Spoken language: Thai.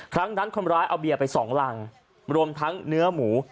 ครั้งนั้นคนร้ายเอาเบียร์ไปสองรังรวมทั้งเนื้อหมู